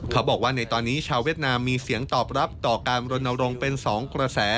เขาบอกว่าในตอนนี้ชาวเวียดนามมีเสียงตอบรับต่อการรณรงค์เป็น๒กระแส